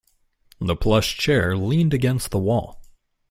The plush chair leaned against the wall.